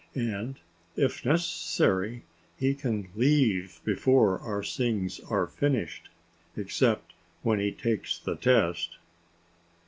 And if necessary he can leave before our sings are finished except when he takes the test."